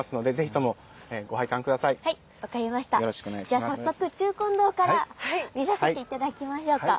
じゃあ早速中金堂から見させて頂きましょうか。